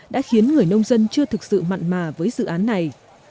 đã khiến người nông dân chưa thực sự mặn mà với dự án này